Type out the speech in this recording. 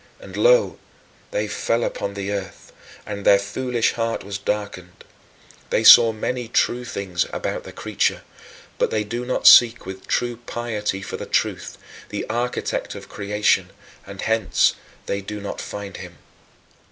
And lo, they fell upon the earth, and "their foolish heart was darkened." They saw many true things about the creature but they do not seek with true piety for the Truth, the Architect of Creation, and hence they do not find him.